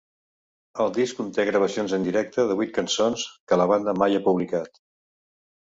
El disc conté gravacions en directe de vuit cançons que la banda mai ha publicat.